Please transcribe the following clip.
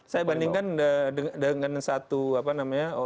saya bandingkan dengan satu apa namanya